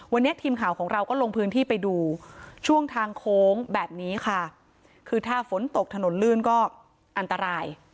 วันนี้ทีมข่าวของเราก็ลงพื้นที่ไปดูช่วงทางโค้งแบบนี้ค่ะคือถ้าฝนตกถนนลื่นก็อันตราย